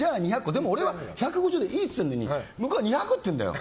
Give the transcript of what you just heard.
でも、俺は１５０でいいって言ってるのに向こうは２００って言うんだよ。